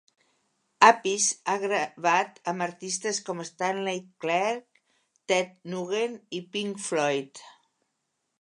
Appice ha gravat amb artistes com Stanley Clarke, Ted Nugent i Pink Floyd.